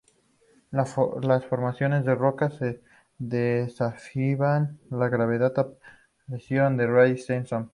Las formaciones de roca que desafiaban la gravedad aparecieron en "Ready, Set, Zoom!